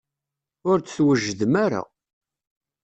Ur d-twejjdem ara.